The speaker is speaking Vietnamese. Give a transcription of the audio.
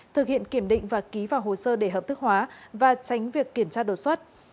thực hiện kiểm định và ký vào hồ sơ để hợp thức hóa và tránh việc kiểm tra đột xuất